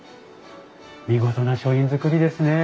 見事な書院造りですねえ。